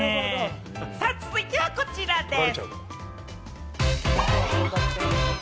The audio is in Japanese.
続いてはこちらです。